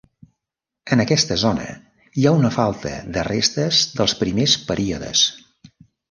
En aquesta zona hi ha una falta de restes dels primers períodes.